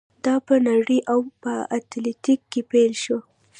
دا په نړۍ او په اتلانتیک کې پیل شو.